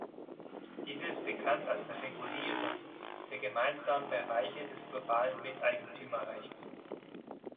Dies ist bekannt als "Regulierung" der gemeinsamen Bereiche des globalen Miteigentümerrechts.